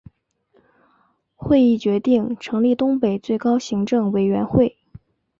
会议决定成立东北最高行政委员会。